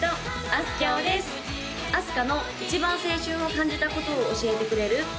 あすかの一番青春を感じたことを教えてくれる？